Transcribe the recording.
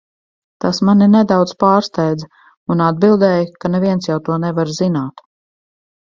Tas mani nedaudz pārsteidza, un atbildēju, ka neviens jau to nevar zināt.